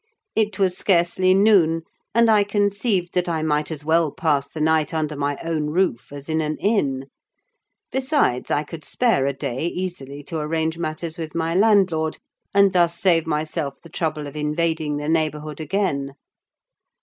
It was scarcely noon, and I conceived that I might as well pass the night under my own roof as in an inn. Besides, I could spare a day easily to arrange matters with my landlord, and thus save myself the trouble of invading the neighbourhood again.